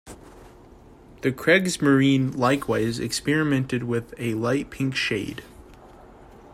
The Kriegsmarine likewise experimented with a light pink shade.